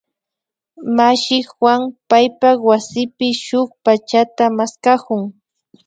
Mashi Juan paypak wasipi shuk pachata maskakun